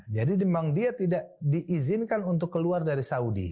jadi memang dia tidak diizinkan untuk keluar dari saudi